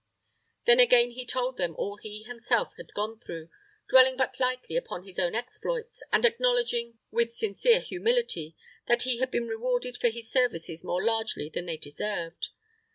Then again he told them all he himself had gone through, dwelling but lightly upon his own exploits, and acknowledging, with sincere humility, that he had been rewarded for his services more largely than they deserved.